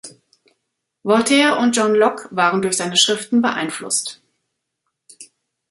Voltaire und John Locke waren durch seine Schriften beeinflusst.